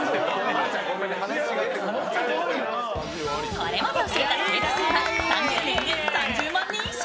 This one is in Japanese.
これまで教えた生徒数は３０年で３０万人以上。